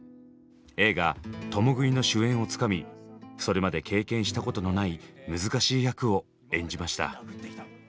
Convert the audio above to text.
映画「共喰い」の主演をつかみそれまで経験したことのない難しい役を演じました。